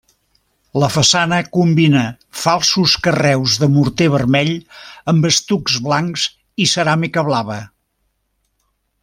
La façana combina falsos carreus de morter vermell, amb estucs blancs i ceràmica blava.